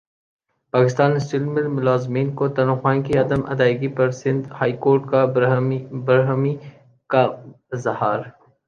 Pakistan steels ملزملازمین کو تنخواہوں کی عدم ادائیگی پرسندھ ہائی کورٹ کا برہمی کااظہار